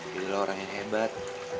bilalah orang yang hebat